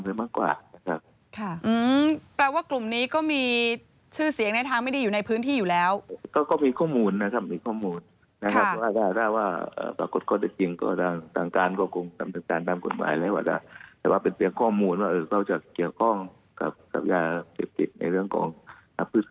อื้มแปลว่ากลุ่มนี้ก็มีชื่อเสียงน่าจะทั้งว่าไม่ได้อยู่ในพื้นที่